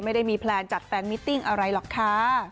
ไม่ได้มีแพลนจัดแฟนมิติ้งอะไรหรอกค่ะ